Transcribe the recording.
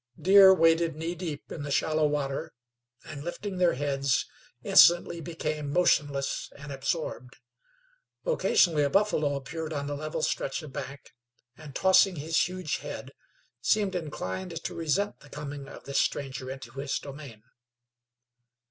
Deer waded knee deep in the shallow water, and, lifting their heads, instantly became motionless and absorbed. Occasionally a buffalo appeared on a level stretch of bank, and, tossing his huge head, seemed inclined to resent the coming of this stranger into his domain.